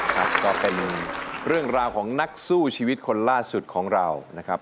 ครับก็เป็นเรื่องราวของนักสู้ชีวิตคนล่าสุดของเรานะครับ